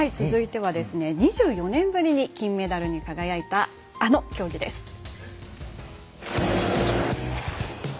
続いては２４年ぶりに金メダルに輝いたあの競技です。